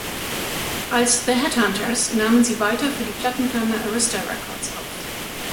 Als "The Headhunters" nahmen sie weiter für die Plattenfirma Arista Records auf.